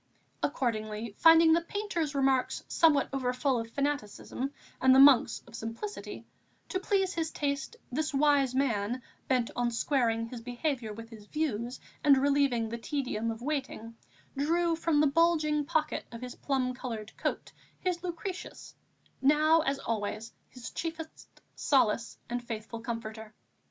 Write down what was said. Accordingly, finding the painter's remarks somewhat overfull of fanaticism, and the Monk's of simplicity, to please his taste, this wise man, bent on squaring his behaviour with his views and relieving the tedium of waiting, drew from the bulging pocket of his plum coloured coat his Lucretius, now as always his chiefest solace and faithful comforter.